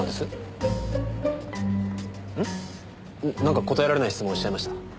なんか答えられない質問しちゃいました？